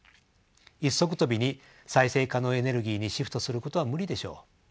一足飛びに再生可能エネルギーにシフトすることは無理でしょう。